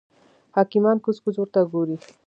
حکیمان کوز کوز ورته ګوري.